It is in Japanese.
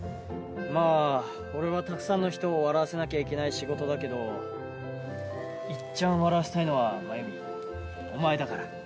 まあ俺はたくさんの人を笑わせなきゃいけない仕事だけどいっちゃん笑わせたいのは真由美お前だから。